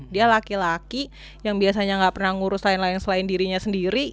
dia laki laki yang biasanya gak pernah ngurus lain lain selain dirinya sendiri